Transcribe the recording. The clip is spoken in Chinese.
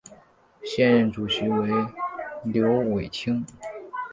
现任主席为刘伟清。